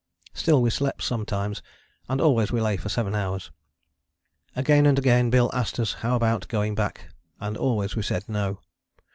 Still we slept sometimes, and always we lay for seven hours. Again and again Bill asked us how about going back, and always we said no.